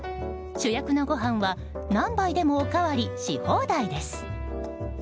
主役のご飯は、何杯でもおかわりし放題です。